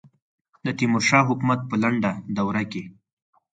د تیمور شاه حکومت په لنډه دوره کې.